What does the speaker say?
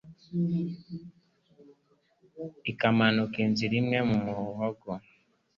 ikamanuka inzira imwe mu muhogo